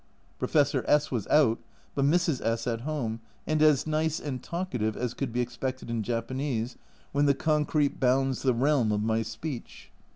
Professor S was out, but Mrs. S at home, and as nice and talkative as could be expected in Japanese, when the concrete bounds the realm of my speech.